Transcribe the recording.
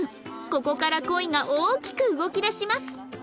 ここから恋が大きく動き出します